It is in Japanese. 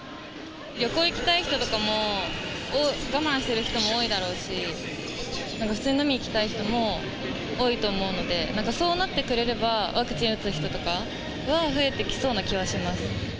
旅行行きたい人とかも、我慢してる人も多いだろうし、なんか普通に飲みに行きたい人も多いと思うので、またそうなってくれれば、ワクチン打つ人とかは増えてきそうな気はします。